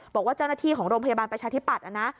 บอกว่าเจ้าหน้าที่ของโรงพยาบาลประชาธิปัตย์นะ